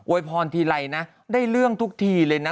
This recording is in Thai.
พรทีไรนะได้เรื่องทุกทีเลยนะ